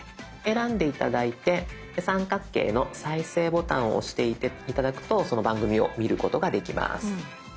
選んで頂いて三角形の再生ボタンを押して頂くとその番組を見ることができます。